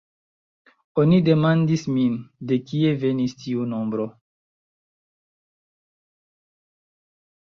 Oni demandis min, de kie venis tiu nombro.